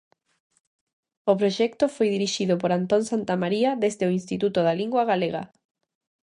O proxecto foi dirixido por Antón Santamarina desde o Instituto da Lingua Galega.